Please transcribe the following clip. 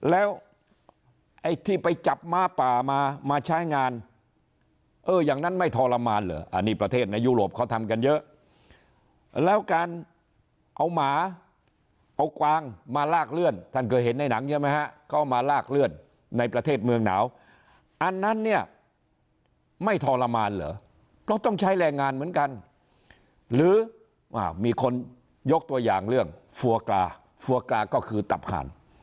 แล้วไอ้ที่ไปจับม้าป่ามามาใช้งานเอออย่างนั้นไม่ทรมานเหรออันนี้ประเทศในยุโรปเขาทำกันเยอะแล้วการเอาหมาเอากวางมาลากเลื่อนท่านเคยเห็นในหนังใช่ไหมฮะเขามาลากเลื่อนในประเทศเมืองหนาวอันนั้นเนี่ยไม่ทรมานเหรอเพราะต้องใช้แรงงานเหมือนกันหรือมีคนยกตัวอย่างเรื่องฟัวกลาฟัวกลาก็คือตับหาน